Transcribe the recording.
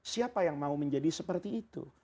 siapa yang mau menjadi seperti itu